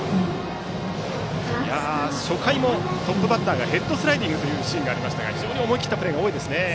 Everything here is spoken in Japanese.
初回もトップバッターがヘッドスライディングというシーンがありましたが非常に思い切ったプレーが多いですね。